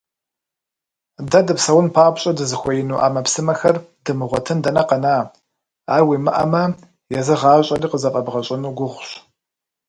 Дэ дыпсэун папщӀэ дызыхуеину Ӏэмэпсымэхэр дымыгъуэтын дэнэ къэна, ар уимыӀэмэ, езы гъащӀэри къызыфӀэбгъэщӀыну гугъущ.